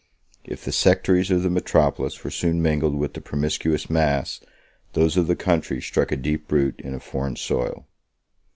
21 If the sectaries of the metropolis were soon mingled with the promiscuous mass, those of the country struck a deep root in a foreign soil.